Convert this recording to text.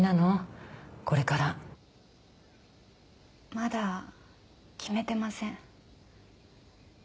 まだ決めてません。